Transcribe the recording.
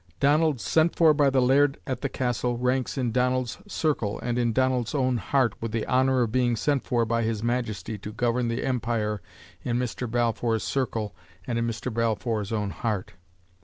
Donald "sent for by the laird at the Castle" ranks in Donald's circle and in Donald's own heart with the honor of being sent for by His Majesty to govern the empire in Mr. Balfour's circle and in Mr. Balfour's own heart.